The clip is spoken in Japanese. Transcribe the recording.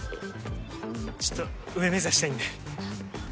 ちょっと上目指したいんで